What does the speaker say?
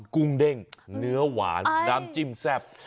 กุ้งเด้งเนื้อหวานน้ำจิ้มแซ่บ